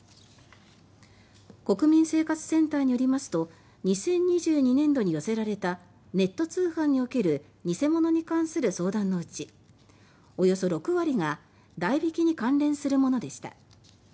国民生活センターによりますと２０２２年度に寄せられたネット通販における偽物に関する相談のうちおよそ６割が代引きに関連するものでした。